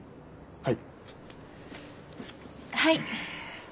はい。